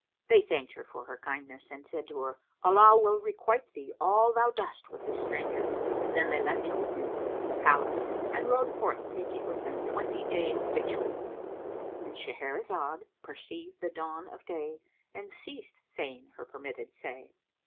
They thanked her for her kindness and said to her, "Allah will requite thee all thou dost with this stranger." Then they left her with him in the palace and rode forth taking with them twenty days' victual;—And Shahrazad perceived the dawn of day and ceased saying her permitted say.